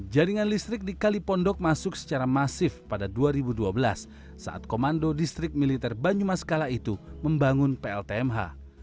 jaringan listrik di kalipondok masuk secara masif pada dua ribu dua belas saat komando distrik militer banyumas kala itu membangun pltmh